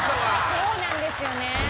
そうなんですよね。